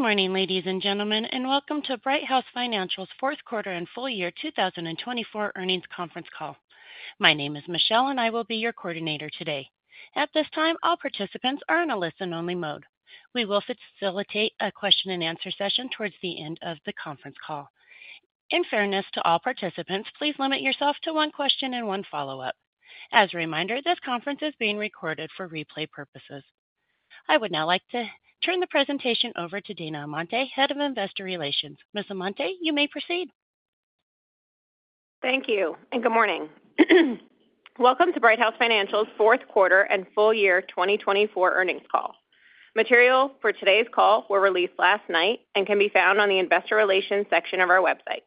Good morning, ladies and gentlemen, and welcome to Brighthouse Financial's Q4 and Full Year 2024 Earnings Conference Call. My name is Michelle, and I will be your coordinator today. At this time, all participants are in a listen-only mode. We will facilitate a question-and-answer session towards the end of the conference call. In fairness to all participants, please limit yourself to one question and one follow-up. As a reminder, this conference is being recorded for replay purposes. I would now like to turn the presentation over to Dana Amante, Head of Investor Relations. Ms. Amante, you may proceed. Thank you, and good morning. Welcome to Brighthouse Financial's Q4 and Full Year 2024 Earnings Call. Materials for today's call were released last night and can be found on the Investor Relations section of our website.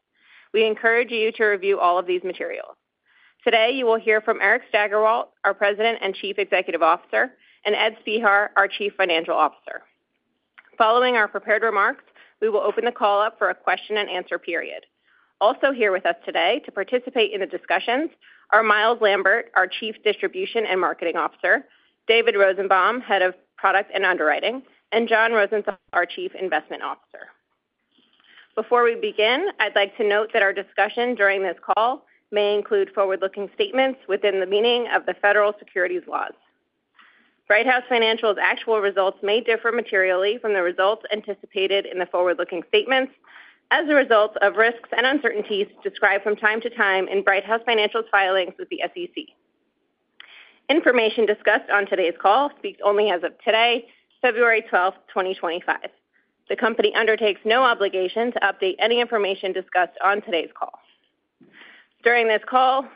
We encourage you to review all of these materials. Today, you will hear from Eric Steigerwalt, our President and Chief Executive Officer, and Ed Spehar, our Chief Financial Officer. Following our prepared remarks, we will open the call up for a question-and-answer period. Also here with us today to participate in the discussions are Myles Lambert, our Chief Distribution and Marketing Officer, David Rosenbaum, Head of Product and Underwriting, and John Rosenthal, our Chief Investment Officer. Before we begin, I'd like to note that our discussion during this call may include forward-looking statements within the meaning of the federal securities laws. Brighthouse Financial's actual results may differ materially from the results anticipated in the forward-looking statements as a result of risks and uncertainties described from time to time in Brighthouse Financial's filings with the SEC. Information discussed on today's call speaks only as of today, February 12, 2025. The company undertakes no obligation to update any information discussed on today's call. During this call,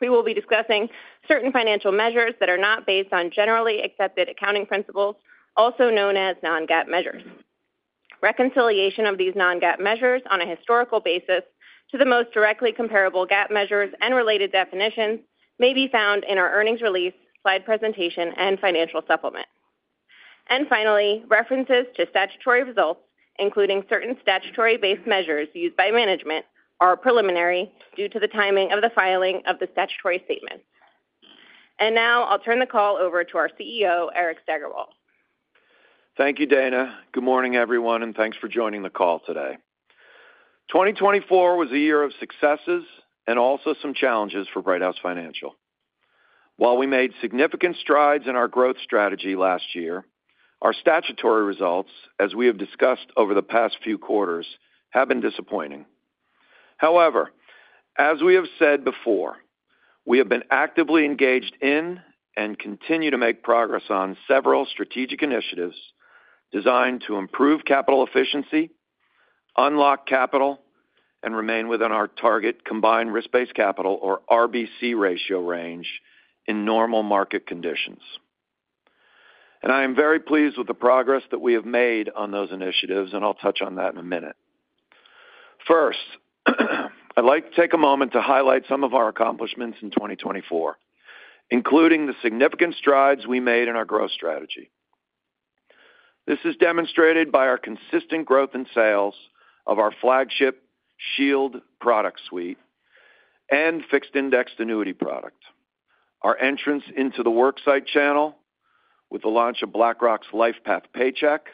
we will be discussing certain financial measures that are not based on generally accepted accounting principles, also known as non-GAAP measures. Reconciliation of these non-GAAP measures on a historical basis to the most directly comparable GAAP measures and related definitions may be found in our earnings release, slide presentation, and financial supplement. And finally, references to statutory results, including certain statutory-based measures used by management, are preliminary due to the timing of the filing of the statutory statements. And now I'll turn the call over to our CEO, Eric Steigerwalt. Thank you, Dana. Good morning, everyone, and thanks for joining the call today. 2024 was a year of successes and also some challenges for Brighthouse Financial. While we made significant strides in our growth strategy last year, our statutory results, as we have discussed over the past few quarters, have been disappointing. However, as we have said before, we have been actively engaged in and continue to make progress on several strategic initiatives designed to improve capital efficiency, unlock capital, and remain within our target combined risk-based capital, or RBC ratio, range in normal market conditions. And I am very pleased with the progress that we have made on those initiatives, and I'll touch on that in a minute. First, I'd like to take a moment to highlight some of our accomplishments in 2024, including the significant strides we made in our growth strategy. This is demonstrated by our consistent growth in sales of our flagship Shield product suite and fixed indexed annuity product, our entrance into the worksite channel with the launch of BlackRock's LifePath Paycheck,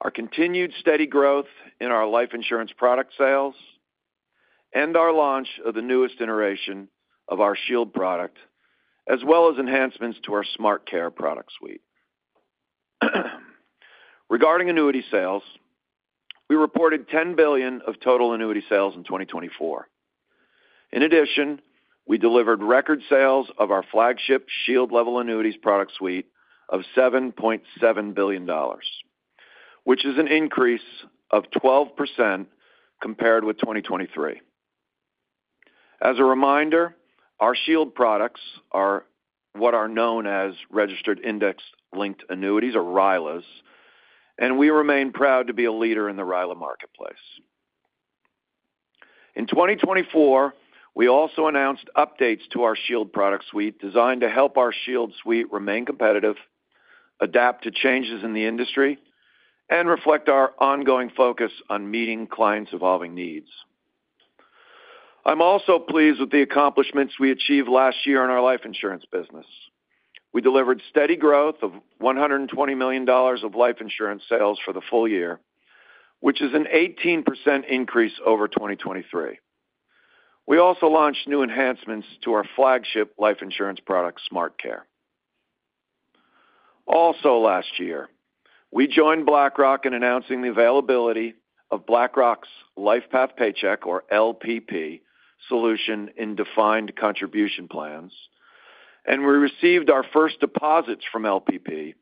our continued steady growth in our life insurance product sales, and our launch of the newest iteration of our Shield product, as well as enhancements to our SmartCare product suite. Regarding annuity sales, we reported $10 billion of total annuity sales in 2024. In addition, we delivered record sales of our flagship Shield Level Annuities product suite of $7.7 billion, which is an increase of 12% compared with 2023. As a reminder, our Shield products are what are known as Registered Index-Linked Annuities, or RILAs, and we remain proud to be a leader in the RILA marketplace. In 2024, we also announced updates to our Shield product suite designed to help our Shield suite remain competitive, adapt to changes in the industry, and reflect our ongoing focus on meeting clients' evolving needs. I'm also pleased with the accomplishments we achieved last year in our life insurance business. We delivered steady growth of $120 million of life insurance sales for the full year, which is an 18% increase over 2023. We also launched new enhancements to our flagship life insurance product, SmartCare. Also, last year, we joined BlackRock in announcing the availability of BlackRock's LifePath Paycheck, or LPP, solution in defined contribution plans, and we received our first deposits from LPP,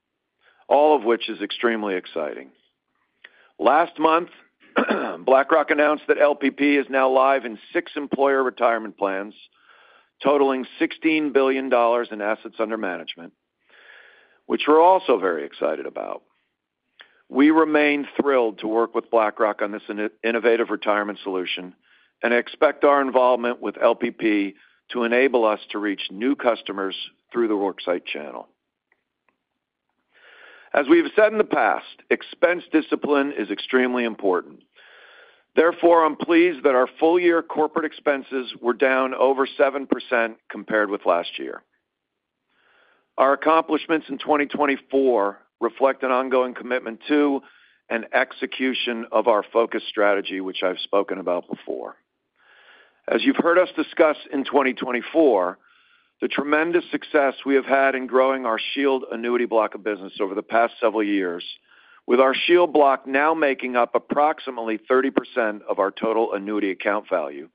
all of which is extremely exciting. Last month, BlackRock announced that LPP is now live in six employer retirement plans totaling $16 billion in assets under management, which we're also very excited about. We remain thrilled to work with BlackRock on this innovative retirement solution and expect our involvement with LPP to enable us to reach new customers through the worksite channel. As we've said in the past, expense discipline is extremely important. Therefore, I'm pleased that our full-year corporate expenses were down over 7% compared with last year. Our accomplishments in 2024 reflect an ongoing commitment to and execution of our focus strategy, which I've spoken about before. As you've heard us discuss in 2024, the tremendous success we have had in growing our Shield annuity block of business over the past several years, with our Shield block now making up approximately 30% of our total annuity account value,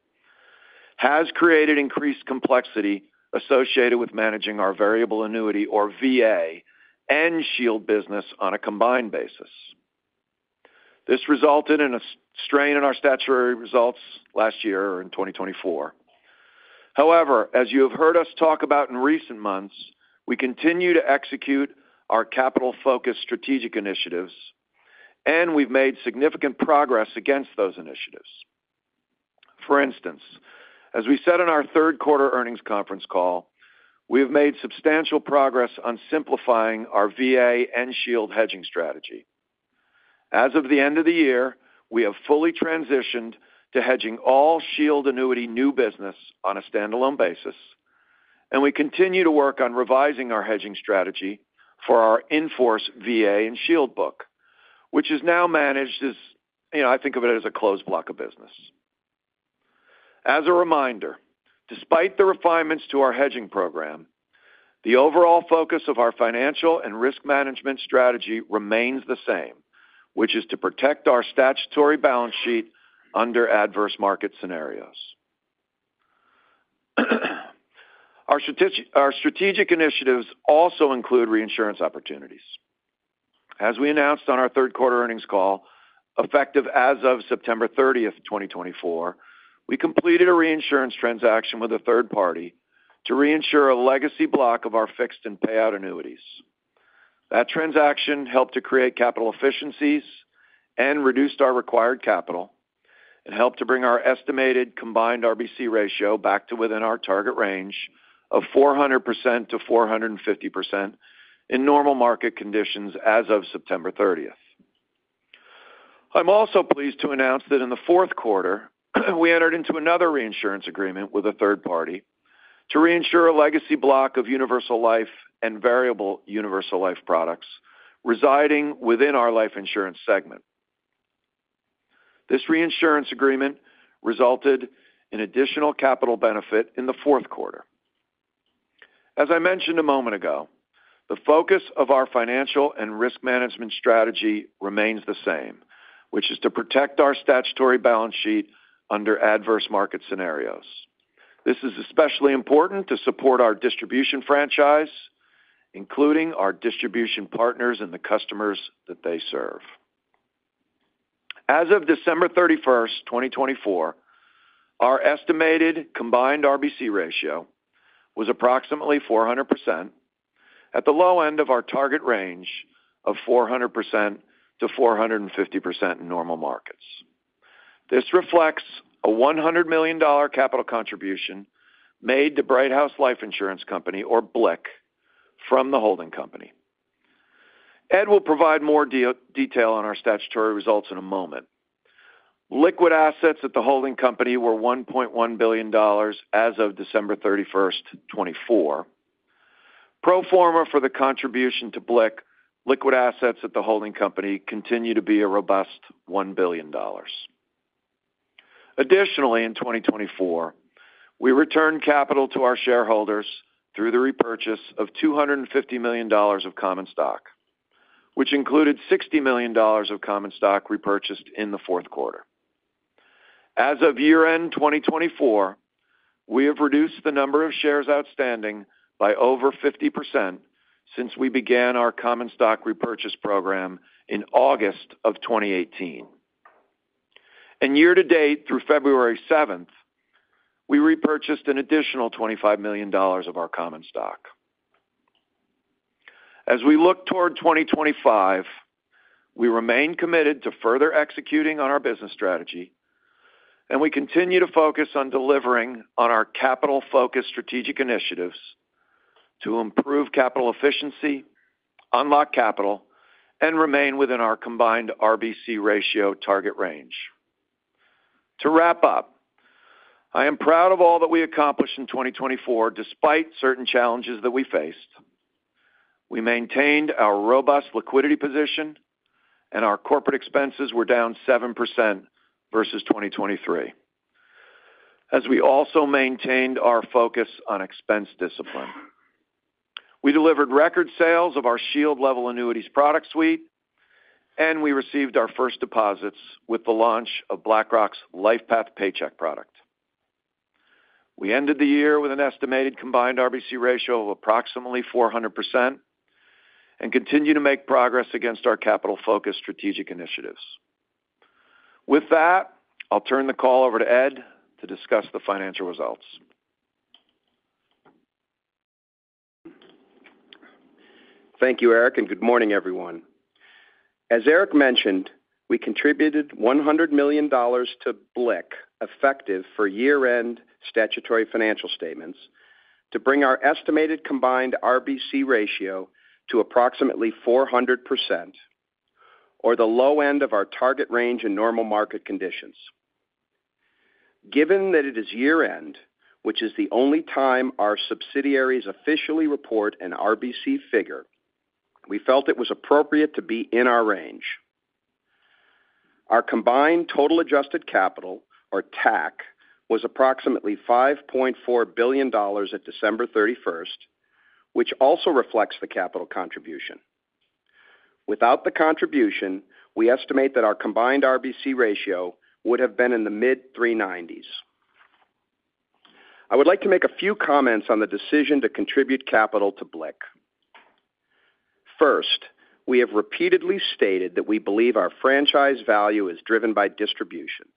has created increased complexity associated with managing our variable annuity, or VA, and Shield business on a combined basis. This resulted in a strain in our statutory results last year or in 2024. However, as you have heard us talk about in recent months, we continue to execute our capital-focused strategic initiatives, and we've made significant progress against those initiatives. For instance, as we said in our Q3 earnings conference call, we have made substantial progress on simplifying our VA and Shield hedging strategy. As of the end of the year, we have fully transitioned to hedging all Shield annuity new business on a standalone basis, and we continue to work on revising our hedging strategy for our in-force VA and Shield book, which is now managed as, you know, I think of it as a closed block of business. As a reminder, despite the refinements to our hedging program, the overall focus of our financial and risk management strategy remains the same, which is to protect our statutory balance sheet under adverse market scenarios. Our strategic initiatives also include reinsurance opportunities. As we announced on our Q3 earnings call, effective as of September 30, 2024, we completed a reinsurance transaction with a third party to reinsure a legacy block of our fixed and payout annuities. That transaction helped to create capital efficiencies and reduced our required capital. It helped to bring our estimated combined RBC ratio back to within our target range of 400%-450% in normal market conditions as of September 30. I'm also pleased to announce that in the Q4, we entered into another reinsurance agreement with a third party to reinsure a legacy block of universal life and variable universal life products residing within our life insurance segment. This reinsurance agreement resulted in additional capital benefit in the Q4. As I mentioned a moment ago, the focus of our financial and risk management strategy remains the same, which is to protect our statutory balance sheet under adverse market scenarios. This is especially important to support our distribution franchise, including our distribution partners and the customers that they serve. As of December 31, 2024, our estimated combined RBC ratio was approximately 400% at the low end of our target range of 400%-450% in normal markets. This reflects a $100 million capital contribution made to Brighthouse Life Insurance Company, or BLIC, from the holding company. Ed will provide more detail on our statutory results in a moment. Liquid assets at the holding company were $1.1 billion as of December 31, 2024. Pro forma for the contribution to BLIC liquid assets at the holding company continued to be a robust $1 billion. Additionally, in 2024, we returned capital to our shareholders through the repurchase of $250 million of common stock, which included $60 million of common stock repurchased in the Q4. As of year-end 2024, we have reduced the number of shares outstanding by over 50% since we began our common stock repurchase program in August of 2018. And year-to-date, through February 7, we repurchased an additional $25 million of our common stock. As we look toward 2025, we remain committed to further executing on our business strategy, and we continue to focus on delivering on our capital-focused strategic initiatives to improve capital efficiency, unlock capital, and remain within our combined RBC ratio target range. To wrap up, I am proud of all that we accomplished in 2024 despite certain challenges that we faced. We maintained our robust liquidity position, and our corporate expenses were down 7% versus 2023, as we also maintained our focus on expense discipline. We delivered record sales of our Shield Level Annuities product suite, and we received our first deposits with the launch of BlackRock's LifePath Paycheck product. We ended the year with an estimated combined RBC ratio of approximately 400% and continue to make progress against our capital-focused strategic initiatives. With that, I'll turn the call over to Ed to discuss the financial results. Thank you, Eric, and good morning, everyone. As Eric mentioned, we contributed $100 million to BLIC, effective for year-end statutory financial statements, to bring our estimated combined RBC ratio to approximately 400%, or the low end of our target range in normal market conditions. Given that it is year-end, which is the only time our subsidiaries officially report an RBC figure, we felt it was appropriate to be in our range. Our combined total adjusted capital, or TAC, was approximately $5.4 billion at December 31, which also reflects the capital contribution. Without the contribution, we estimate that our combined RBC ratio would have been in the mid-390s. I would like to make a few comments on the decision to contribute capital to BLIC. First, we have repeatedly stated that we believe our franchise value is driven by distribution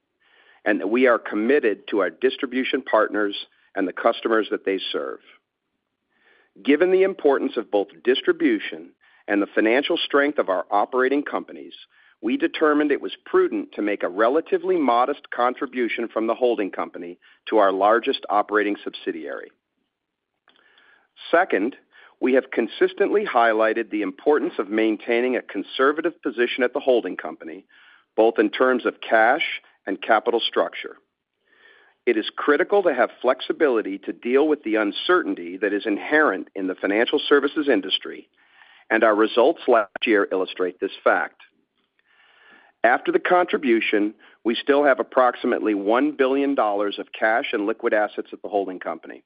and that we are committed to our distribution partners and the customers that they serve. Given the importance of both distribution and the financial strength of our operating companies, we determined it was prudent to make a relatively modest contribution from the holding company to our largest operating subsidiary. Second, we have consistently highlighted the importance of maintaining a conservative position at the holding company, both in terms of cash and capital structure. It is critical to have flexibility to deal with the uncertainty that is inherent in the financial services industry, and our results last year illustrate this fact. After the contribution, we still have approximately $1 billion of cash and liquid assets at the holding company.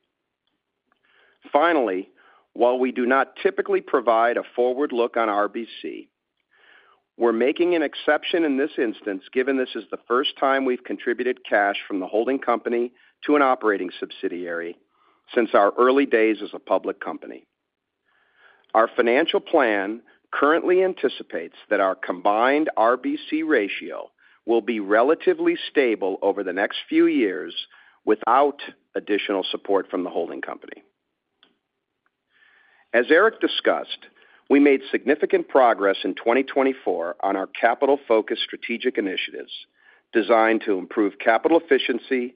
Finally, while we do not typically provide a forward look on RBC, we're making an exception in this instance given this is the first time we've contributed cash from the holding company to an operating subsidiary since our early days as a public company. Our financial plan currently anticipates that our combined RBC ratio will be relatively stable over the next few years without additional support from the holding company. As Eric discussed, we made significant progress in 2024 on our capital-focused strategic initiatives designed to improve capital efficiency,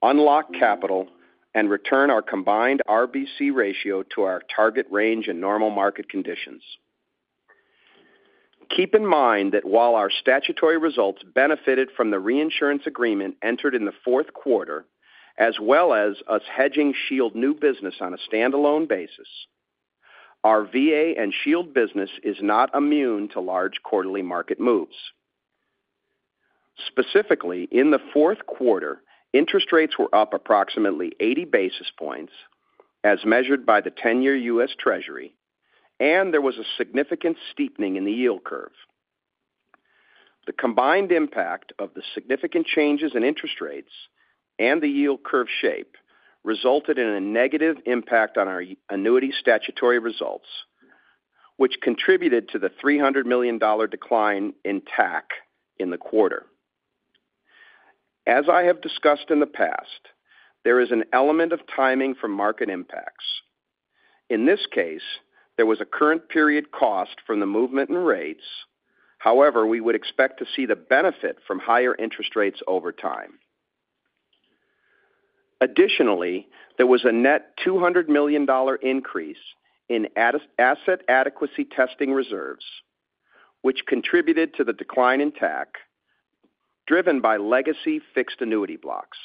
unlock capital, and return our combined RBC ratio to our target range in normal market conditions. Keep in mind that while our statutory results benefited from the reinsurance agreement entered in the Q4, as well as us hedging Shield new business on a standalone basis, our VA and Shield business is not immune to large quarterly market moves. Specifically, in the Q4, interest rates were up approximately 80 basis points, as measured by the 10-year U.S. Treasury, and there was a significant steepening in the yield curve. The combined impact of the significant changes in interest rates and the yield curve shape resulted in a negative impact on our annuity statutory results, which contributed to the $300 million decline in TAC in the quarter. As I have discussed in the past, there is an element of timing for market impacts. In this case, there was a current period cost from the movement in rates, however, we would expect to see the benefit from higher interest rates over time. Additionally, there was a net $200 million increase in asset adequacy testing reserves, which contributed to the decline in TAC driven by legacy fixed annuity blocks.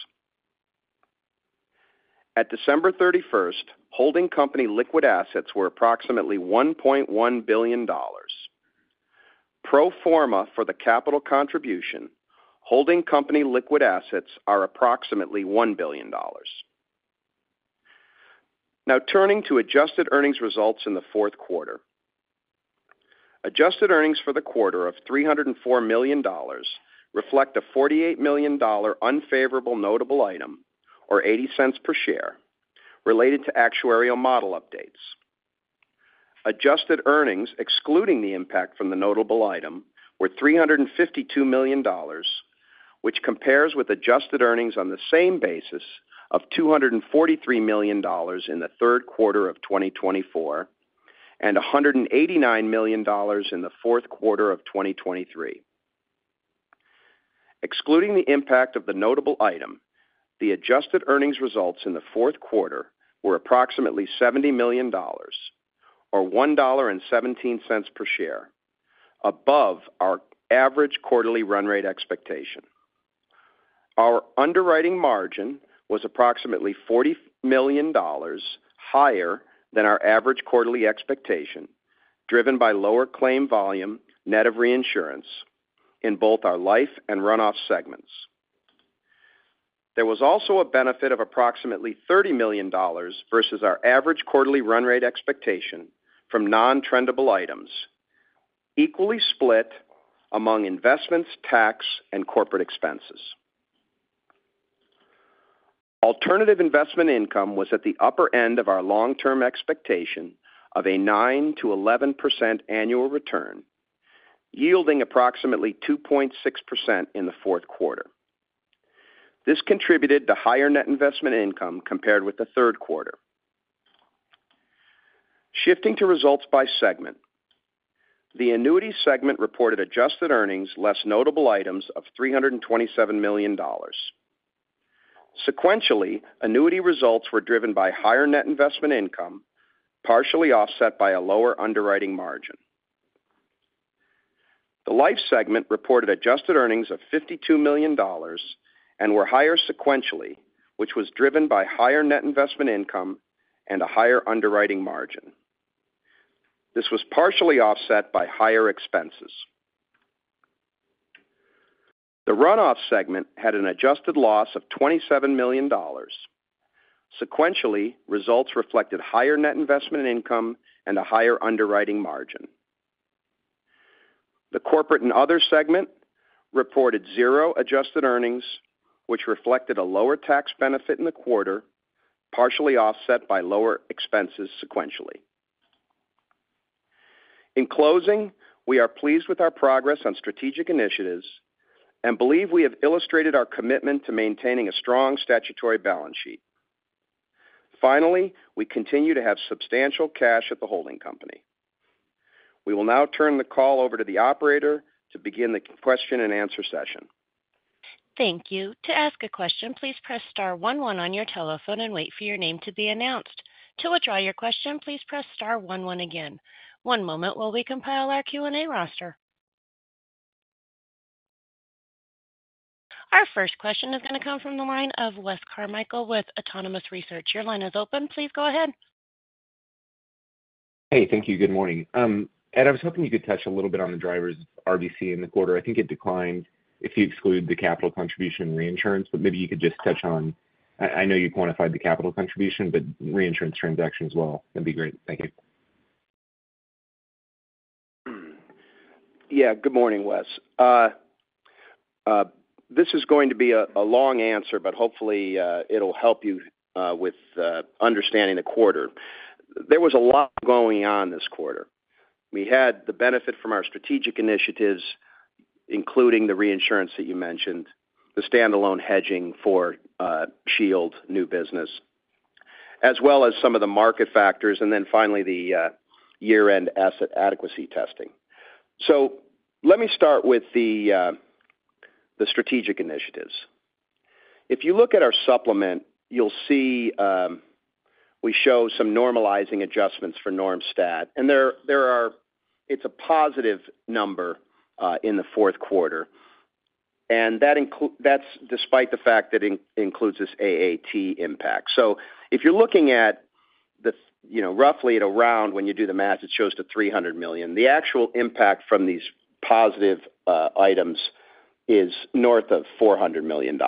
At December 31st, holding company liquid assets were approximately $1.1 billion. Pro forma for the capital contribution, holding company liquid assets are approximately $1 billion. Now, turning to adjusted earnings results in the Q4, adjusted earnings for the quarter of $304 million reflect a $48 million unfavorable notable item, or 80 cents per share, related to actuarial model updates. Adjusted earnings, excluding the impact from the notable item, were $352 million, which compares with adjusted earnings on the same basis of $243 million in the Q3 of 2024 and $189 million in the Q4 of 2023. Excluding the impact of the notable item, the adjusted earnings results in the Q4 were approximately $70 million, or $1.17 per share, above our average quarterly run rate expectation. Our underwriting margin was approximately $40 million higher than our average quarterly expectation, driven by lower claim volume net of reinsurance in both our life and Run-off segments. There was also a benefit of approximately $30 million versus our average quarterly run rate expectation from non-trendable items, equally split among investments, tax, and corporate expenses. Alternative investment income was at the upper end of our long-term expectation of a 9%-11% annual return, yielding approximately 2.6% in the Q4. This contributed to higher net investment income compared with the Q3. Shifting to results by segment, the Annuity segment reported adjusted earnings less notable items of $327 million. Sequentially, annuity results were driven by higher net investment income, partially offset by a lower underwriting margin. The Life segment reported adjusted earnings of $52 million and were higher sequentially, which was driven by higher net investment income and a higher underwriting margin. This was partially offset by higher expenses. The Run-off segment had an adjusted loss of $27 million. Sequentially, results reflected higher net investment income and a higher underwriting margin. The Corporate and Other segment reported zero adjusted earnings, which reflected a lower tax benefit in the quarter, partially offset by lower expenses sequentially. In closing, we are pleased with our progress on strategic initiatives and believe we have illustrated our commitment to maintaining a strong statutory balance sheet. Finally, we continue to have substantial cash at the holding company. We will now turn the call over to the operator to begin the question and answer session. Thank you. To ask a question, please press star 11 on your telephone and wait for your name to be announced. To withdraw your question, please press star 11 again. One moment while we compile our Q&A roster. Our first question is going to come from the line of Wes Carmichael with Autonomous Research. Your line is open. Please go ahead. Hey, thank you. Good morning. Ed, I was hoping you could touch a little bit on the drivers of RBC in the quarter. I think it declined if you exclude the capital contribution and reinsurance, but maybe you could just touch on. I know you quantified the capital contribution, but reinsurance transaction as well. That'd be great. Thank you. Yeah. Good morning, Wes. This is going to be a long answer, but hopefully it'll help you with understanding the quarter. There was a lot going on this quarter. We had the benefit from our strategic initiatives, including the reinsurance that you mentioned, the standalone hedging for Shield new business, as well as some of the market factors, and then finally the year-end asset adequacy testing. So let me start with the strategic initiatives. If you look at our supplement, you'll see we show some normalizing adjustments NormStat, and it's a positive number in the Q4, and that's despite the fact that it includes this AAT impact, so if you're looking at roughly at around when you do the math, it shows to $300 million. The actual impact from these positive items is north of $400 million.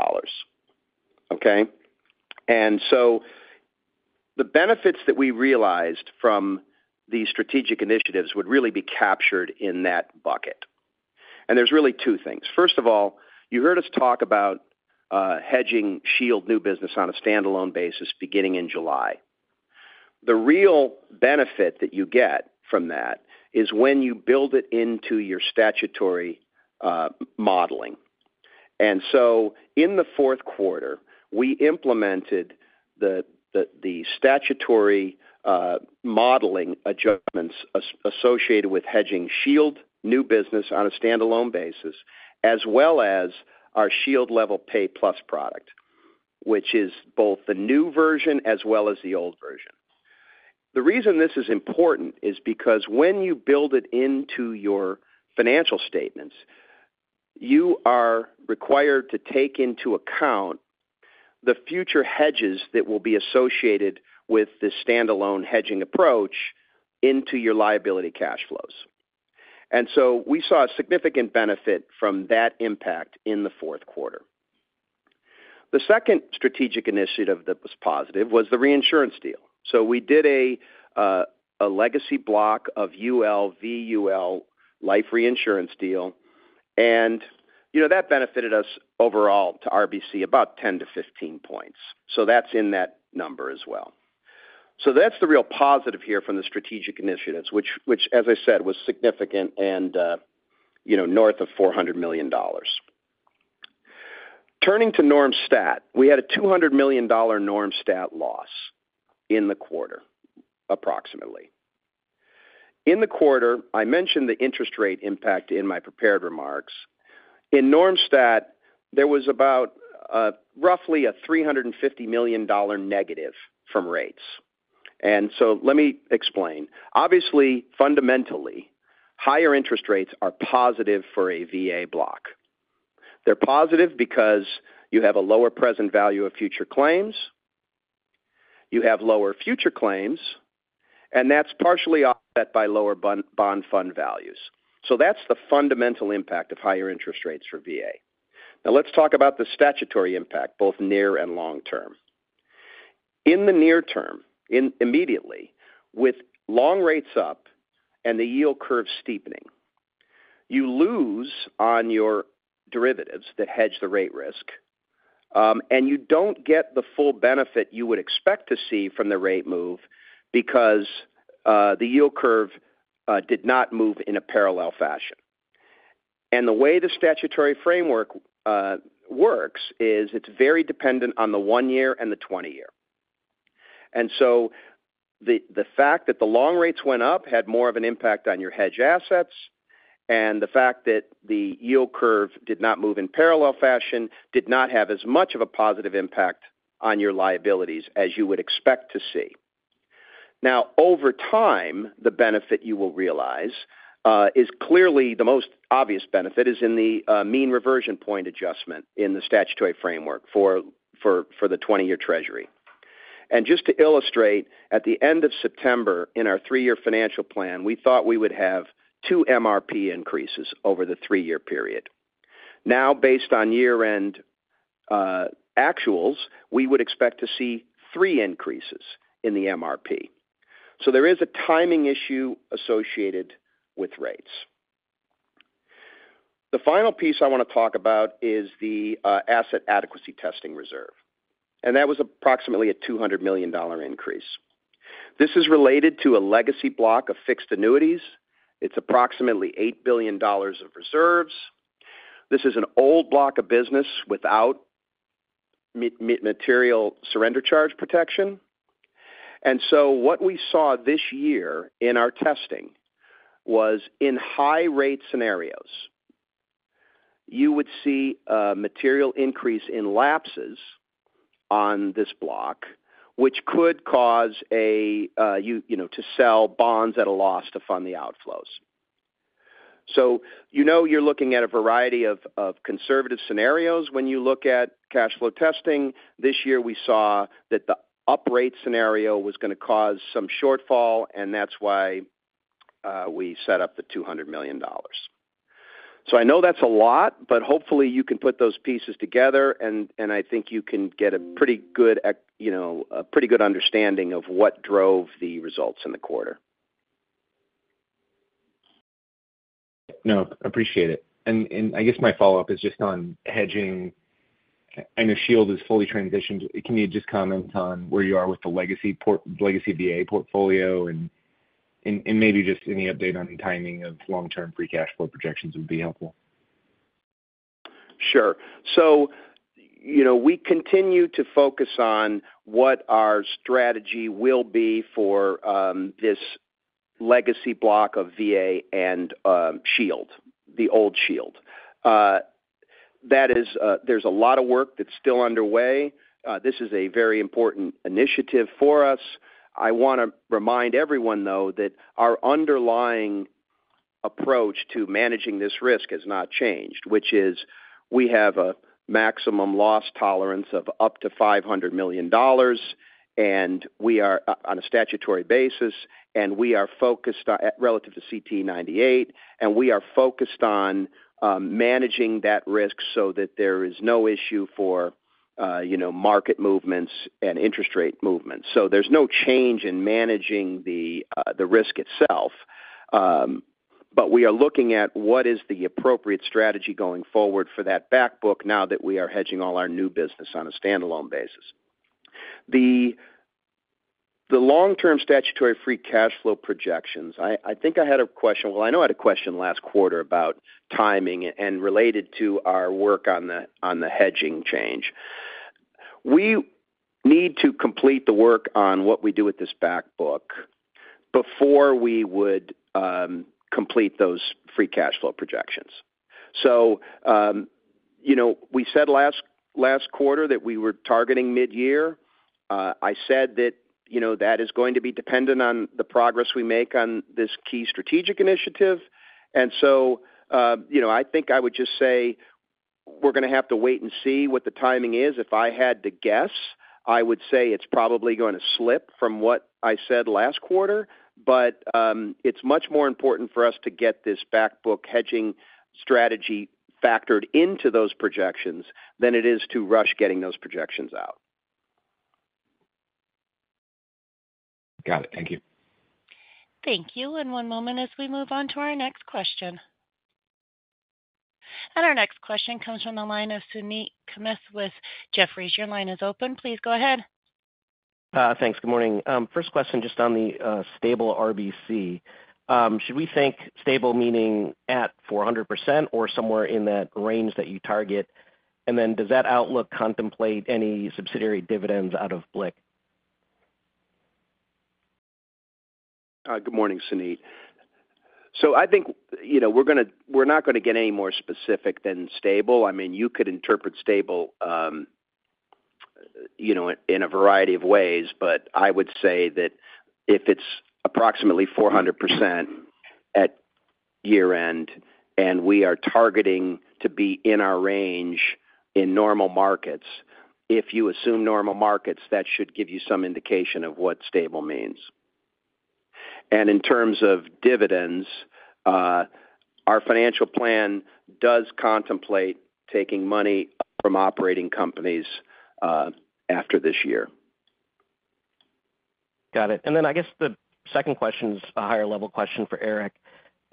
Okay, and so the benefits that we realized from these strategic initiatives would really be captured in that bucket, and there's really two things. First of all, you heard us talk about hedging Shield new business on a standalone basis beginning in July. The real benefit that you get from that is when you build it into your statutory modeling. And so in the Q4, we implemented the statutory modeling adjustments associated with hedging Shield new business on a standalone basis, as well as our Shield Level Pay Plus product, which is both the new version as well as the old version. The reason this is important is because when you build it into your financial statements, you are required to take into account the future hedges that will be associated with the standalone hedging approach into your liability cash flows. And so we saw a significant benefit from that impact in the Q4. The second strategic initiative that was positive was the reinsurance deal. So we did a legacy block of UL, VUL life reinsurance deal, and that benefited us overall to RBC about 10-15 points. So that's in that number as well. So that's the real positive here from the strategic initiatives, which, as I said, was significant and north of $400 million. Turning NormStat, we had a $200 NormStat loss in the quarter, approximately. In the quarter, I mentioned the interest rate impact in my prepared remarks. NormStat, there was about roughly a $350 million negative from rates. And so let me explain. Obviously, fundamentally, higher interest rates are positive for a VA block. They're positive because you have a lower present value of future claims, you have lower future claims, and that's partially offset by lower bond fund values. So that's the fundamental impact of higher interest rates for VA. Now, let's talk about the statutory impact, both near and long term. In the near term, immediately, with long rates up and the yield curve steepening, you lose on your derivatives that hedge the rate risk, and you don't get the full benefit you would expect to see from the rate move because the yield curve did not move in a parallel fashion. And the way the statutory framework works is it's very dependent on the one-year and the 20-year. And so the fact that the long rates went up had more of an impact on your hedge assets, and the fact that the yield curve did not move in parallel fashion did not have as much of a positive impact on your liabilities as you would expect to see. Now, over time, the benefit you will realize is clearly the most obvious benefit is in the mean reversion point adjustment in the statutory framework for the 20-year Treasury. Just to illustrate, at the end of September in our three-year financial plan, we thought we would have two MRP increases over the three-year period. Now, based on year-end actuals, we would expect to see three increases in the MRP. There is a timing issue associated with rates. The final piece I want to talk about is the asset adequacy testing reserve, and that was approximately a $200 million increase. This is related to a legacy block of fixed annuities. It's approximately $8 billion of reserves. This is an old block of business without material surrender charge protection, and so what we saw this year in our testing was in high-rate scenarios, you would see a material increase in lapses on this block, which could cause to sell bonds at a loss to fund the outflows. So you know you're looking at a variety of conservative scenarios when you look at cash flow testing. This year, we saw that the up-rate scenario was going to cause some shortfall, and that's why we set up the $200 million. So I know that's a lot, but hopefully you can put those pieces together, and I think you can get a pretty good understanding of what drove the results in the quarter. No, appreciate it. And I guess my follow-up is just on hedging. I know Shield is fully transitioned. Can you just comment on where you are with the legacy VA portfolio and maybe just any update on timing of long-term free cash flow projections would be helpful? Sure. So we continue to focus on what our strategy will be for this legacy block of VA and Shield, the old Shield. There's a lot of work that's still underway. This is a very important initiative for us. I want to remind everyone, though, that our underlying approach to managing this risk has not changed, which is we have a maximum loss tolerance of up to $500 million, and we are on a statutory basis, and we are focused relative to CTE98, and we are focused on managing that risk so that there is no issue for market movements and interest rate movements. So there's no change in managing the risk itself, but we are looking at what is the appropriate strategy going forward for that back book now that we are hedging all our new business on a standalone basis. The long-term statutory free cash flow projections, I think I had a question. I know I had a question last quarter about timing and related to our work on the hedging change. We need to complete the work on what we do with this back book before we would complete those free cash flow projections. We said last quarter that we were targeting mid-year. I said that that is going to be dependent on the progress we make on this key strategic initiative. I think I would just say we're going to have to wait and see what the timing is. If I had to guess, I would say it's probably going to slip from what I said last quarter, but it's much more important for us to get this back book hedging strategy factored into those projections than it is to rush getting those projections out. Got it. Thank you. Thank you. One moment as we move on to our next question. Our next question comes from the line of Suneet Kamath with Jefferies. Your line is open. Please go ahead. Thanks. Good morning. First question, just on the stable RBC. Should we think stable, meaning at 400% or somewhere in that range that you target? And then does that outlook contemplate any subsidiary dividends out of BLIC? Good morning, Suneet. So I think we're not going to get any more specific than stable. I mean, you could interpret stable in a variety of ways, but I would say that if it's approximately 400% at year-end and we are targeting to be in our range in normal markets, if you assume normal markets, that should give you some indication of what stable means, and in terms of dividends, our financial plan does contemplate taking money from operating companies after this year. Got it. Then I guess the second question is a higher-level question for Eric.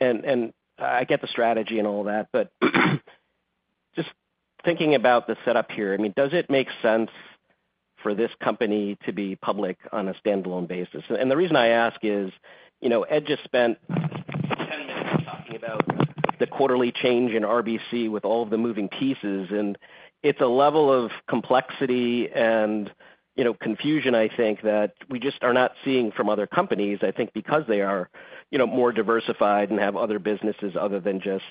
I get the strategy and all that, but just thinking about the setup here, I mean, does it make sense for this company to be public on a standalone basis? The reason I ask is Ed just spent 10 minutes talking about the quarterly change in RBC with all of the moving pieces, and it's a level of complexity and confusion, I think, that we just are not seeing from other companies, I think, because they are more diversified and have other businesses other than just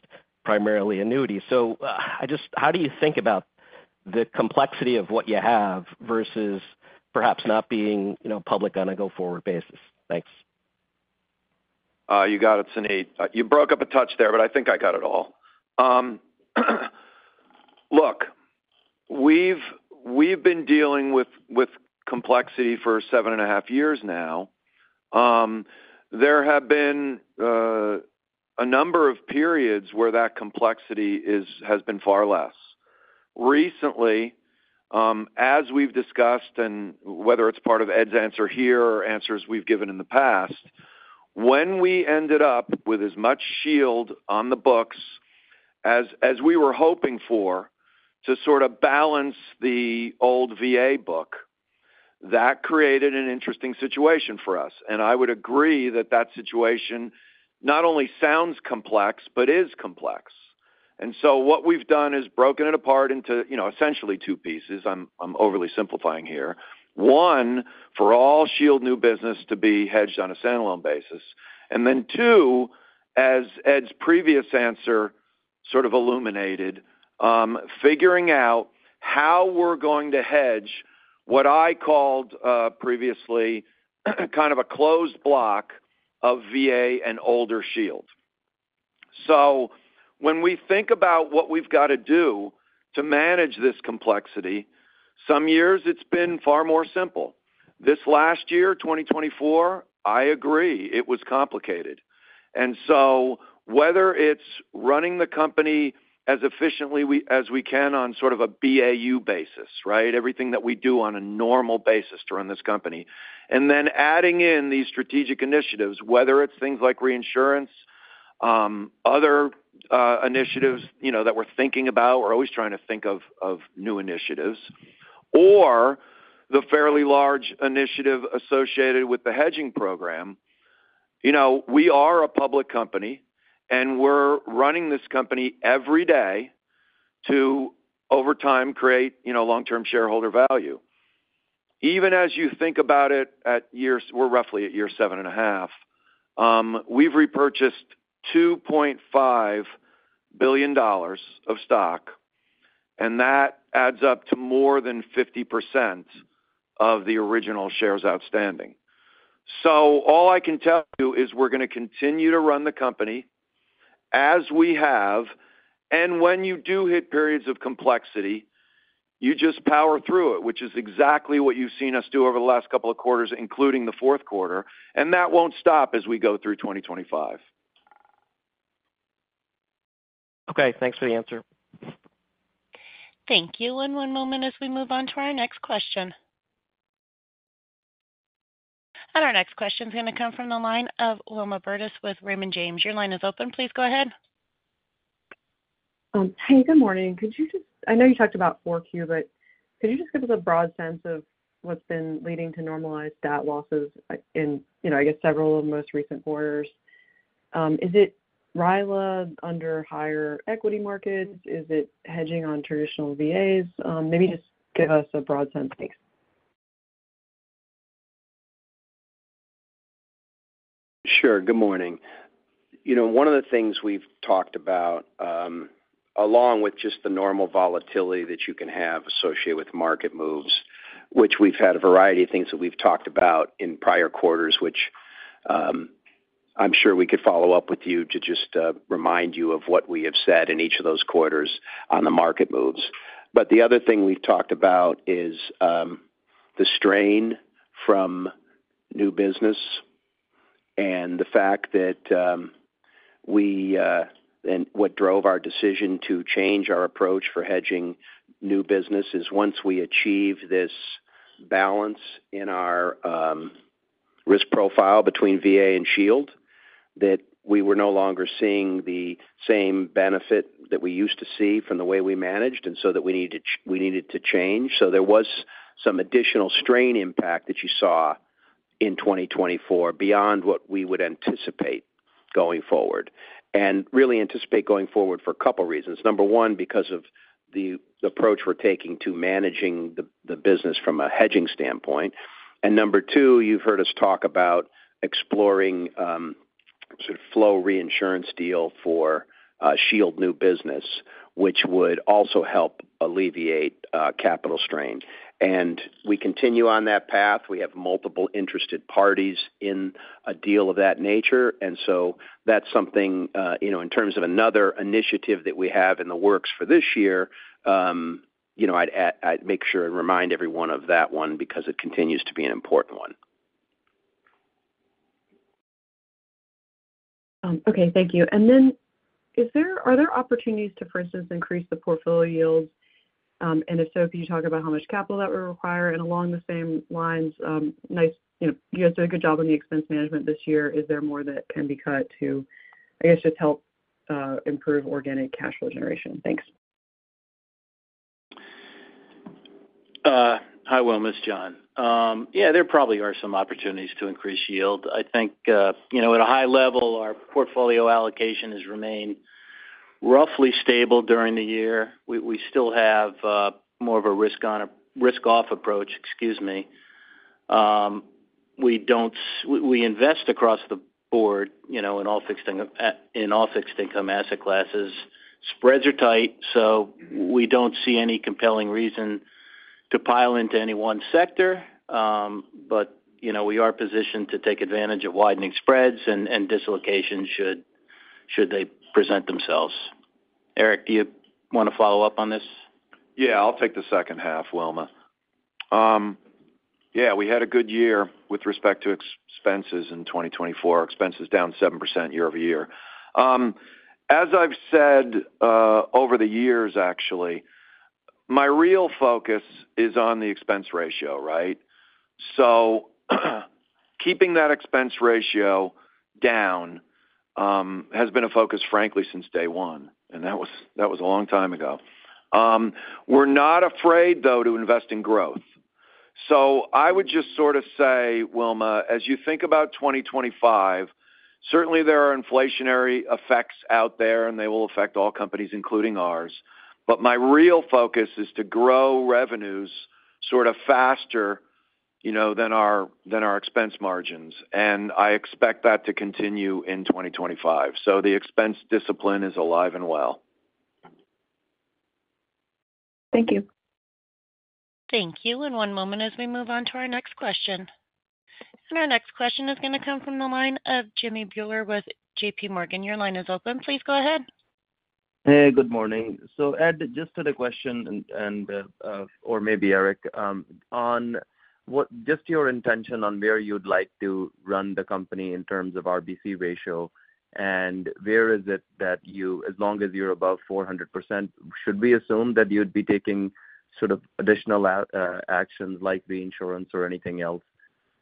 primarily annuities. So how do you think about the complexity of what you have versus perhaps not being public on a go-forward basis? Thanks. You got it, Suneet. You broke up a touch there, but I think I got it all. Look, we've been dealing with complexity for seven and a half years now. There have been a number of periods where that complexity has been far less. Recently, as we've discussed and whether it's part of Ed's answer here or answers we've given in the past, when we ended up with as much Shield on the books as we were hoping for to sort of balance the old VA book, that created an interesting situation for us, and I would agree that that situation not only sounds complex, but is complex, and so what we've done is broken it apart into essentially two pieces. I'm overly simplifying here. One, for all Shield new business to be hedged on a standalone basis. And then, two, as Ed's previous answer sort of illuminated, figuring out how we're going to hedge what I called previously kind of a closed block of VA and older Shield. So when we think about what we've got to do to manage this complexity, some years it's been far more simple. This last year, 2024, I agree, it was complicated. And so whether it's running the company as efficiently as we can on sort of a BAU basis, right? Everything that we do on a normal basis to run this company. And then adding in these strategic initiatives, whether it's things like reinsurance, other initiatives that we're thinking about, we're always trying to think of new initiatives, or the fairly large initiative associated with the hedging program, we are a public company, and we're running this company every day to, over time, create long-term shareholder value. Even as you think about it, we're roughly at year seven and a half. We've repurchased $2.5 billion of stock, and that adds up to more than 50% of the original shares outstanding. So all I can tell you is we're going to continue to run the company as we have, and when you do hit periods of complexity, you just power through it, which is exactly what you've seen us do over the last couple of quarters, including the Q4, and that won't stop as we go through 2025. Okay. Thanks for the answer. Thank you and one moment as we move on to our next question, and our next question is going to come from the line of Wilma Burdis with Raymond James. Your line is open. Please go ahead. Hey, good morning. I know you talked about 4Q, but could you just give us a broad sense of what's been leading to normalized net losses in, I guess, several of the most recent quarters? Is it RILA under higher equity markets? Is it hedging on traditional VAs? Maybe just give us a broad sense, please. Sure. Good morning. One of the things we've talked about, along with just the normal volatility that you can have associated with market moves, which we've had a variety of things that we've talked about in prior quarters, which I'm sure we could follow up with you to just remind you of what we have said in each of those quarters on the market moves. But the other thing we've talked about is the strain from new business and the fact that what drove our decision to change our approach for hedging new business is once we achieve this balance in our risk profile between VA and Shield, that we were no longer seeing the same benefit that we used to see from the way we managed, and so that we needed to change, so there was some additional strain impact that you saw in 2024 beyond what we would anticipate going forward, and really anticipate going forward for a couple of reasons. Number one, because of the approach we're taking to managing the business from a hedging standpoint, and number two, you've heard us talk about exploring sort of flow reinsurance deal for Shield new business, which would also help alleviate capital strain, and we continue on that path. We have multiple interested parties in a deal of that nature. And so that's something in terms of another initiative that we have in the works for this year. I'd make sure and remind everyone of that one because it continues to be an important one. Okay. Thank you. And then, is there other opportunities to, for instance, increase the portfolio? And if so, can you talk about how much capital that would require? And along the same lines, you guys did a good job on the expense management this year. Is there more that can be cut to, I guess, just help improve organic cash flow generation? Thanks. Hi, Wilma, it's John. Yeah, there probably are some opportunities to increase yield. I think at a high level, our portfolio allocation has remained roughly stable during the year. We still have more of a risk-off approach, excuse me. We invest across the board in all fixed income asset classes. Spreads are tight, so we don't see any compelling reason to pile into any one sector, but we are positioned to take advantage of widening spreads and dislocations should they present themselves. Eric, do you want to follow up on this? Yeah, I'll take the second half, Wilma. Yeah, we had a good year with respect to expenses in 2024. Expenses down 7% year-over-year. As I've said over the years, actually, my real focus is on the expense ratio, right? So keeping that expense ratio down has been a focus, frankly, since day one, and that was a long time ago. We're not afraid, though, to invest in growth, so I would just sort of say, Wilma, as you think about 2025, certainly there are inflationary effects out there, and they will affect all companies, including ours. But my real focus is to grow revenues sort of faster than our expense margins, and I expect that to continue in 2025. So the expense discipline is alive and well. Thank you. Thank you. And one moment as we move on to our next question. And our next question is going to come from the line of Jimmy Bhullar with JPMorgan. Your line is open. Please go ahead. Hey, good morning. So Ed, just to the question, or maybe Eric, on just your intention on where you'd like to run the company in terms of RBC ratio and where is it that you, as long as you're above 400%, should we assume that you'd be taking sort of additional actions like reinsurance or anything else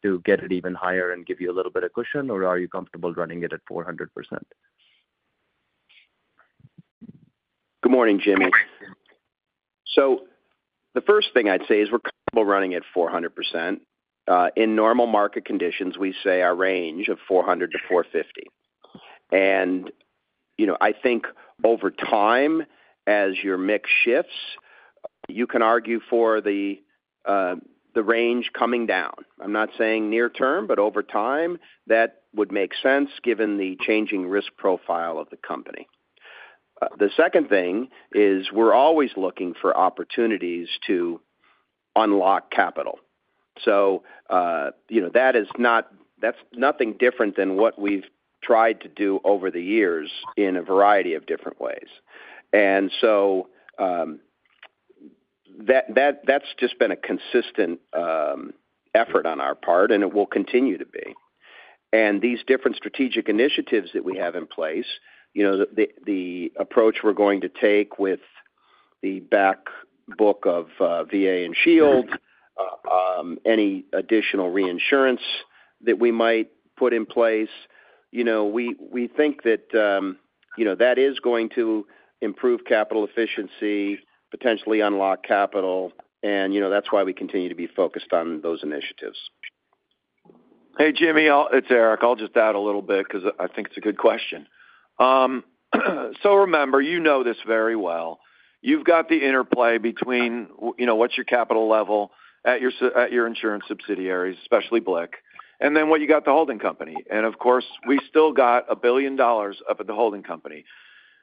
to get it even higher and give you a little bit of cushion, or are you comfortable running it at 400%? Good morning, Jimmy. So the first thing I'd say is we're comfortable running at 400%. In normal market conditions, we say our range of 400%-450%. And I think over time, as your mix shifts, you can argue for the range coming down. I'm not saying near term, but over time, that would make sense given the changing risk profile of the company. The second thing is we're always looking for opportunities to unlock capital. So that is not. That's nothing different than what we've tried to do over the years in a variety of different ways. And so that's just been a consistent effort on our part, and it will continue to be. These different strategic initiatives that we have in place, the approach we're going to take with the back book of VA and Shield, any additional reinsurance that we might put in place, we think that that is going to improve capital efficiency, potentially unlock capital, and that's why we continue to be focused on those initiatives. Hey, Jimmy, it's Eric. I'll just add a little bit because I think it's a good question. Remember, you know this very well. You've got the interplay between what's your capital level at your insurance subsidiaries, especially BLIC, and then what you got the holding company. Of course, we still got a billion dollars up at the holding company.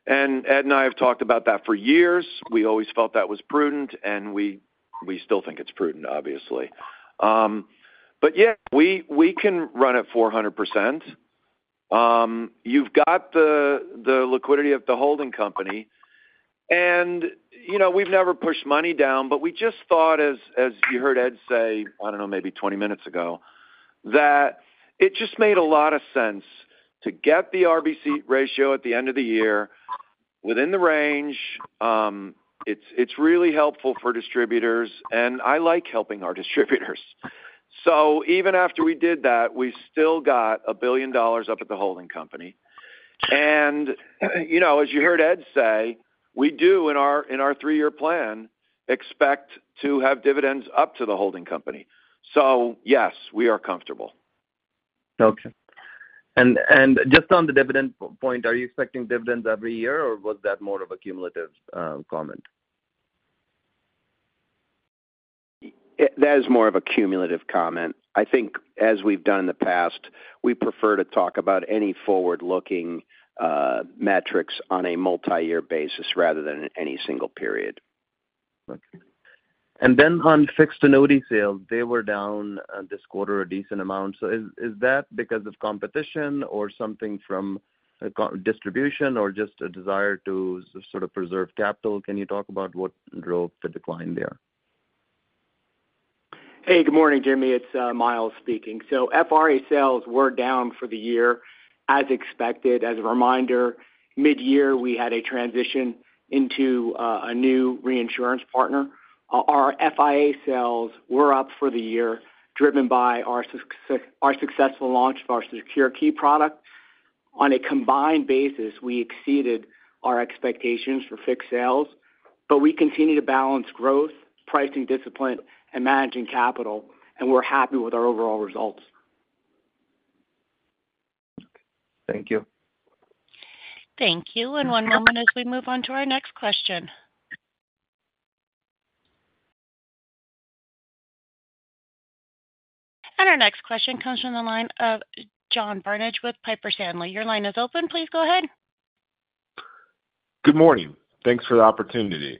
Ed and I have talked about that for years. We always felt that was prudent, and we still think it's prudent, obviously. Yeah, we can run at 400%. You've got the liquidity of the holding company, and, you know, we've never pushed money down, but we just thought, as you heard Ed say, I don't know, maybe 20 minutes ago, that it just made a lot of sense to get the RBC ratio at the end of the year within the range. It's really helpful for distributors, and I like helping our distributors. So even after we did that, we still got a billion dollars up at the holding company, and as you heard Ed say, we do, in our three-year plan, expect to have dividends up to the holding company. So yes, we are comfortable. Okay. And just on the dividend point, are you expecting dividends every year, or was that more of a cumulative comment? That is more of a cumulative comment. I think, as we've done in the past, we prefer to talk about any forward-looking metrics on a multi-year basis rather than any single period. Okay. And then on fixed annuity sales, they were down this quarter a decent amount. So is that because of competition or something from distribution or just a desire to sort of preserve capital? Can you talk about what drove the decline there? Hey, good morning, Jimmy. It's Myles speaking. So FRA sales were down for the year as expected. As a reminder, mid-year, we had a transition into a new reinsurance partner. Our FIA sales were up for the year driven by our successful launch of our SecureKey product. On a combined basis, we exceeded our expectations for fixed sales, but we continue to balance growth, pricing discipline, and managing capital, and we're happy with our overall results. Thank you. Thank you, and one moment as we move on to our next question. Our next question comes from the line of John Barnidge with Piper Sandler. Your line is open. Please go ahead. Good morning. Thanks for the opportunity.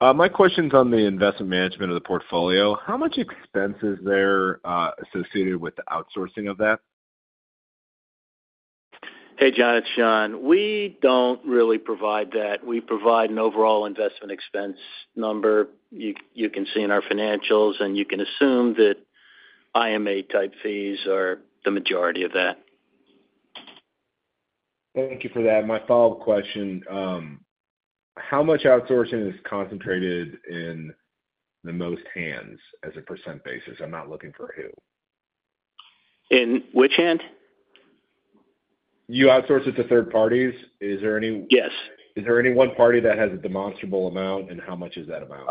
My question's on the investment management of the portfolio. How much expense is there associated with the outsourcing of that? Hey, John, it's John. We don't really provide that. We provide an overall investment expense number you can see in our financials, and you can assume that IMA-type fees are the majority of that. Thank you for that. My follow-up question: how much outsourcing is concentrated in the most hands as a percent basis? I'm not looking for who. In which hand? You outsource it to third parties. Is there any? Yes. Is there any one party that has a demonstrable amount, and how much is that amount?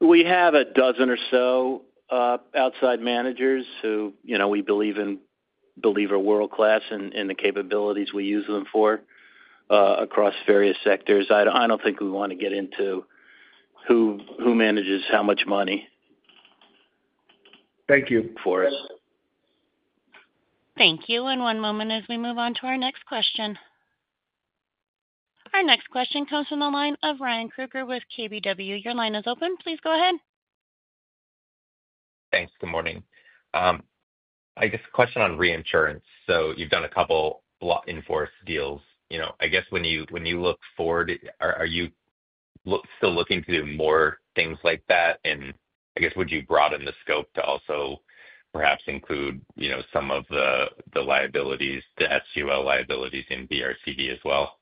We have a dozen or so outside managers who we believe are world-class in the capabilities we use them for across various sectors. I don't think we want to get into who manages how much money for us. Thank you. Thank you, and one moment as we move on to our next question. Our next question comes from the line of Ryan Krueger with KBW. Your line is open. Please go ahead. Thanks. Good morning. I guess a question on reinsurance. So you've done a couple of in-force deals. I guess when you look forward, are you still looking to do more things like that? And I guess would you broaden the scope to also perhaps include some of the liabilities, the SUL liabilities in BRCD as well?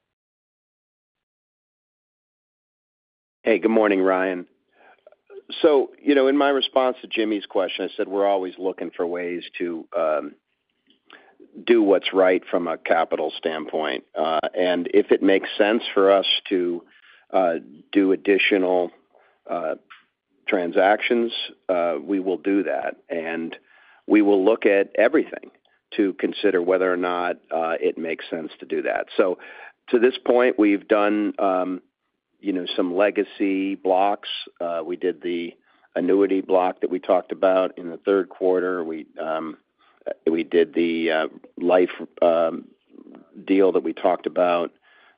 Hey, good morning, Ryan. So in my response to Jimmy's question, I said we're always looking for ways to do what's right from a capital standpoint. And if it makes sense for us to do additional transactions, we will do that. And we will look at everything to consider whether or not it makes sense to do that. So to this point, we've done some legacy blocks. We did the annuity block that we talked about in the Q3. We did the life deal that we talked about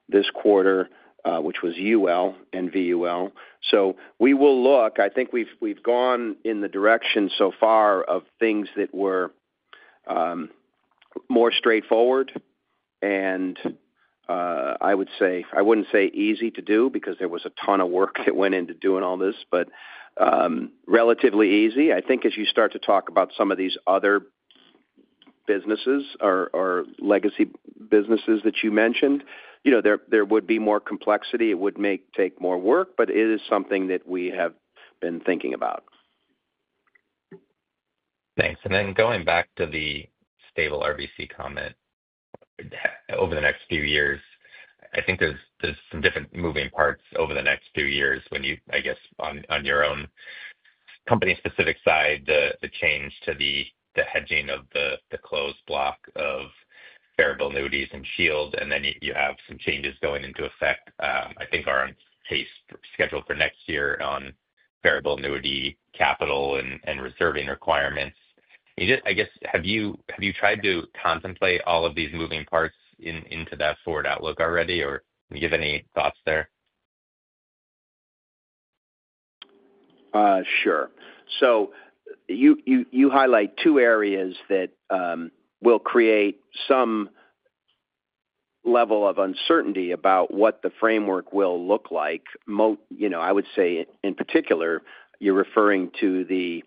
this quarter, which was UL and VUL. So we will look. I think we've gone in the direction so far of things that were more straightforward. And I would say I wouldn't say easy to do because there was a ton of work that went into doing all this, but relatively easy. I think as you start to talk about some of these other businesses or legacy businesses that you mentioned, there would be more complexity. It would take more work, but it is something that we have been thinking about. Thanks, and then going back to the stable RBC comment, over the next few years, I think there's some different moving parts over the next few years when you, I guess, on your own company-specific side, the change to the hedging of the closed block of variable annuities and Shield, and then you have some changes going into effect. I think there's a case scheduled for next year on variable annuity capital and reserving requirements. I guess, have you tried to contemplate all of these moving parts into that forward outlook already, or can you give any thoughts there? Sure. So you highlight two areas that will create some level of uncertainty about what the framework will look like. I would say, in particular, you're referring to the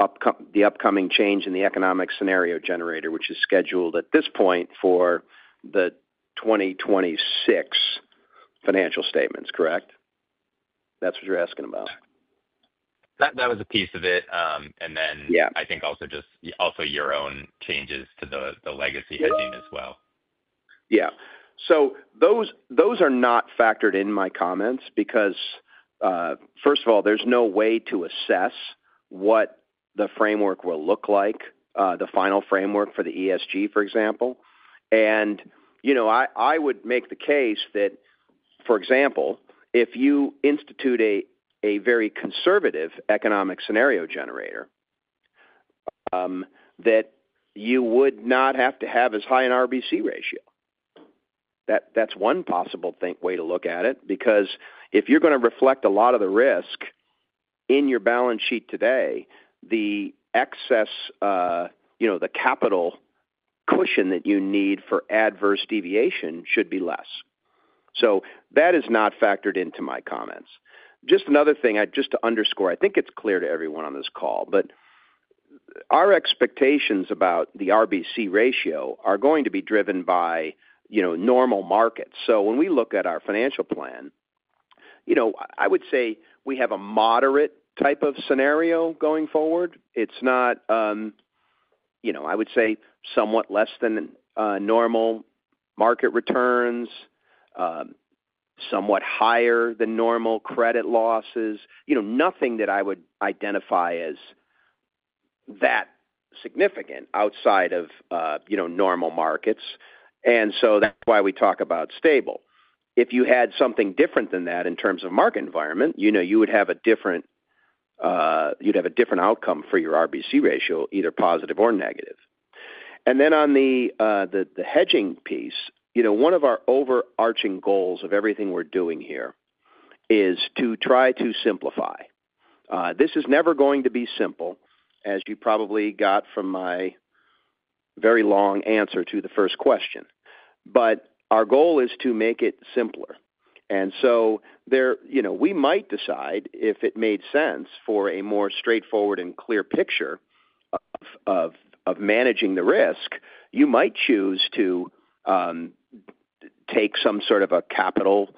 upcoming change in the economic scenario generator, which is scheduled at this point for the 2026 financial statements, correct? That's what you're asking about. That was a piece of it, and then I think also just your own changes to the legacy hedging as well. Yeah. So those are not factored in my comments because, first of all, there's no way to assess what the framework will look like, the final framework for the ESG, for example, and I would make the case that, for example, if you institute a very conservative economic scenario generator, that you would not have to have as high an RBC ratio. That's one possible way to look at it because if you're going to reflect a lot of the risk in your balance sheet today, the excess, the capital cushion that you need for adverse deviation should be less. So that is not factored into my comments. Just another thing just to underscore, I think it's clear to everyone on this call, but our expectations about the RBC ratio are going to be driven by normal markets. So when we look at our financial plan, I would say we have a moderate type of scenario going forward. It's not, I would say, somewhat less than normal market returns, somewhat higher than normal credit losses, nothing that I would identify as that significant outside of normal markets, and so that's why we talk about stable. If you had something different than that in terms of market environment, you would have a different outcome for your RBC ratio, either positive or negative, and then on the hedging piece, one of our overarching goals of everything we're doing here is to try to simplify. This is never going to be simple, as you probably got from my very long answer to the first question, but our goal is to make it simpler, and so we might decide if it made sense for a more straightforward and clear picture of managing the risk, you might choose to take some sort of a capital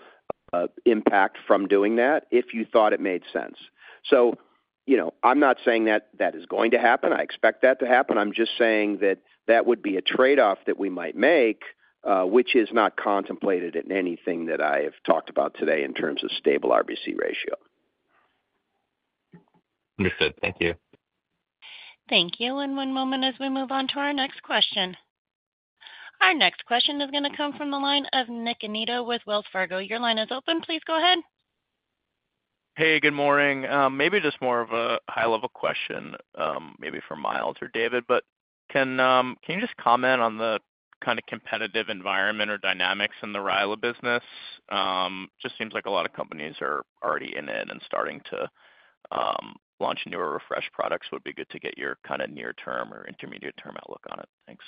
impact from doing that if you thought it made sense, so I'm not saying that is going to happen. I expect that to happen. I'm just saying that that would be a trade-off that we might make, which is not contemplated in anything that I have talked about today in terms of stable RBC ratio. Understood. Thank you. Thank you, and one moment as we move on to our next question. Our next question is going to come from the line of Nick Anido with Wells Fargo. Your line is open. Please go ahead. Hey, good morning. Maybe just more of a high-level question, maybe for Myles or David, but can you just comment on the kind of competitive environment or dynamics in the RILA business? It just seems like a lot of companies are already in it and starting to launch new or refresh products. Would be good to get your kind of near-term or intermediate-term outlook on it. Thanks.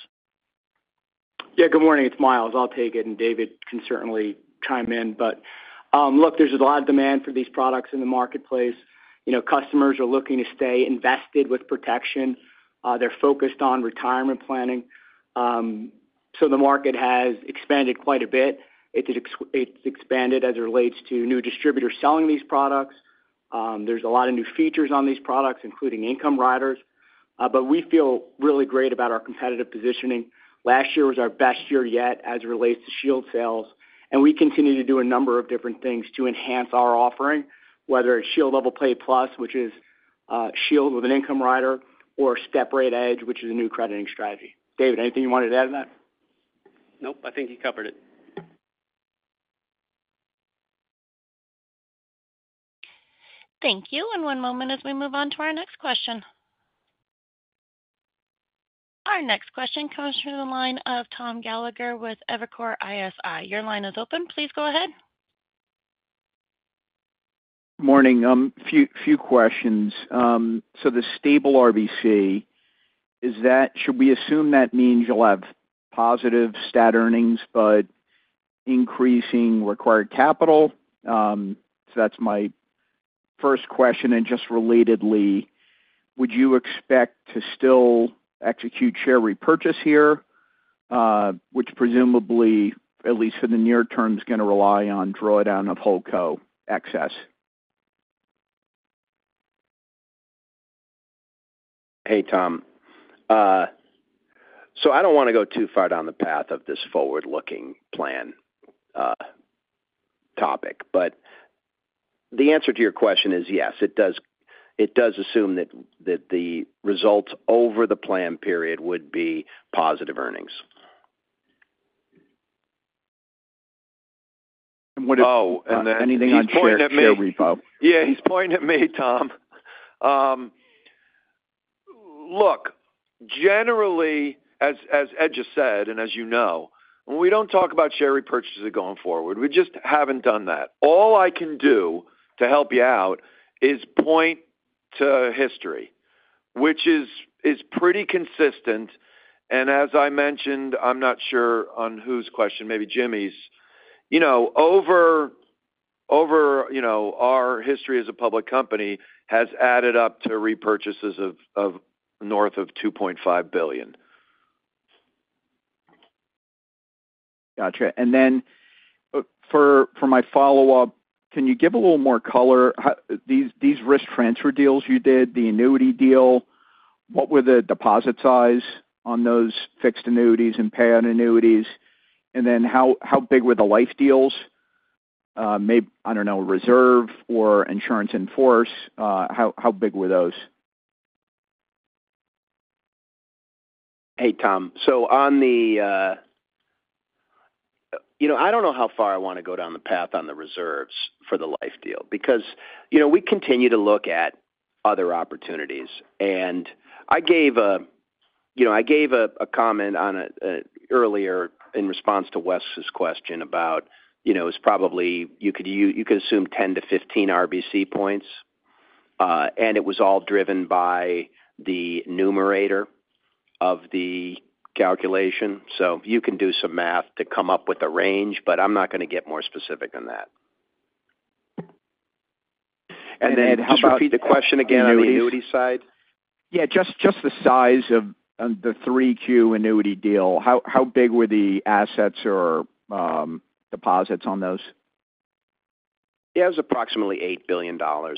Yeah. Good morning. It's Myles. I'll take it. David can certainly chime in. But look, there's a lot of demand for these products in the marketplace. Customers are looking to stay invested with protection. They're focused on retirement planning. So the market has expanded quite a bit. It's expanded as it relates to new distributors selling these products. There's a lot of new features on these products, including income riders. But we feel really great about our competitive positioning. Last year was our best year yet as it relates to Shield sales. And we continue to do a number of different things to enhance our offering, whether it's Shield Level Pay Plus, which is Shield with an income rider, or Step Rate Edge, which is a new crediting strategy. David, anything you wanted to add to that? Nope. I think you covered it. Thank you, and one moment as we move on to our next question. Our next question comes from the line of Tom Gallagher with Evercore ISI. Your line is open. Please go ahead. Morning. A few questions. So the stable RBC, should we assume that means you'll have positive stat earnings but increasing required capital? So that's my first question. And just relatedly, would you expect to still execute share repurchase here, which presumably, at least for the near term, is going to rely on drawdown of HoldCo excess? Hey, Tom. So I don't want to go too far down the path of this forward-looking plan topic, but the answer to your question is yes. It does assume that the results over the plan period would be positive earnings. And what if anything on share repo? Yeah. He's pointing at me. Yeah. He's pointing at me, Tom. Look, generally, as Ed just said and as you know, we don't talk about share repurchases going forward. We just haven't done that. All I can do to help you out is point to history, which is pretty consistent. And as I mentioned, I'm not sure on whose question, maybe Jimmy's, over our history as a public company has added up to repurchases of north of $2.5 billion. Gotcha. And then for my follow-up, can you give a little more color? These risk transfer deals you did, the annuity deal, what were the deposit size on those fixed annuities and payout annuities? And then how big were the life deals? I don't know, reserve or insurance in force, how big were those? Hey, Tom. So on the, I don't know how far I want to go down the path on the reserves for the life deal because we continue to look at other opportunities, and I gave a comment earlier in response to Wes' question about it. It was probably you could assume 10-15 RBC points, and it was all driven by the numerator of the calculation. So you can do some math to come up with a range, but I'm not going to get more specific than that. And then how about the question again on the annuity side? Yeah. Just the size of the 3Q annuity deal, how big were the assets or deposits on those? It was approximately $8 billion. Gotcha. And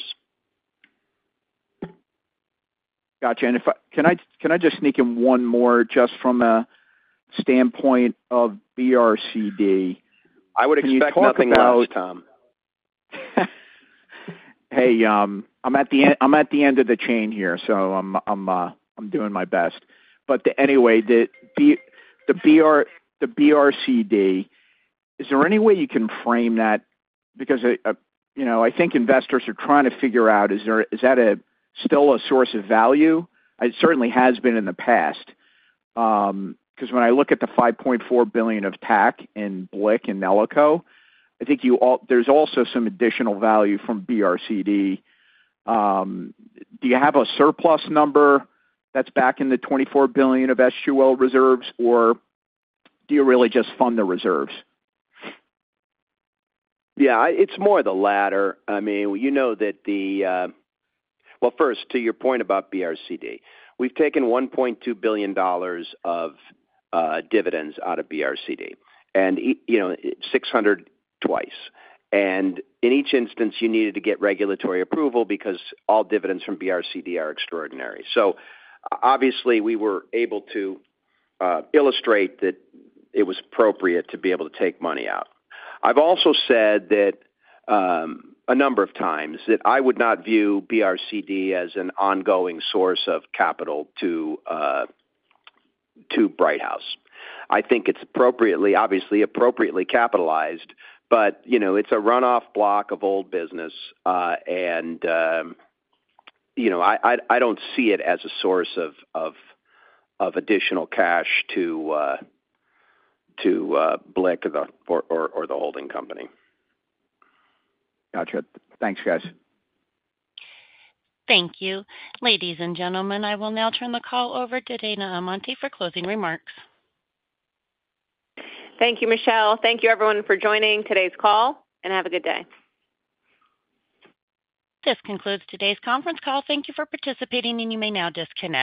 can I just sneak in one more just from a standpoint of BRCD? I would expect all of those. You can talk nothing about it, Tom. Hey, I'm at the end of the chain here, so I'm doing my best. But anyway, the BRCD, is there any way you can frame that? Because I think investors are trying to figure out, is that still a source of value? It certainly has been in the past. Because when I look at the $5.4 billion of TAC in BLIC and NELICO, I think there's also some additional value from BRCD. Do you have a surplus number that's back in the $24 billion of SUL reserves, or do you really just fund the reserves? Yeah. It's more the latter. I mean, you know that. Well, first, to your point about BRCD, we've taken $1.2 billion of dividends out of BRCD and $600 million twice. And in each instance, you needed to get regulatory approval because all dividends from BRCD are extraordinary. So obviously, we were able to illustrate that it was appropriate to be able to take money out. I've also said that a number of times that I would not view BRCD as an ongoing source of capital to Brighthouse. I think it's appropriately, obviously, appropriately capitalized, but it's a runoff block of old business. And I don't see it as a source of additional cash to BLIC or the holding company. Gotcha. Thanks, guys. Thank you. Ladies and gentlemen, I will now turn the call over to Dana Amante for closing remarks. Thank you, Michelle. Thank you, everyone, for joining today's call, and have a good day. This concludes today's conference call. Thank you for participating, and you may now disconnect.